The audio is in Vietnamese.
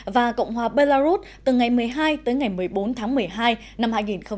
và cộng hòa belarus từ ngày một mươi hai tới ngày một mươi bốn tháng một mươi hai năm hai nghìn một mươi chín